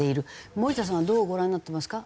森田さんはどうご覧になっていますか？